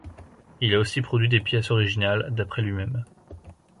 Il a aussi produit des pièces originales, d'après lui-même.